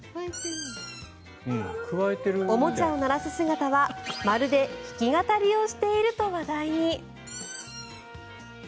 おもちゃを鳴らす姿はまるで弾き語りをしていると話題に。